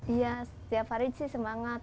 iya setiap hari sih semangat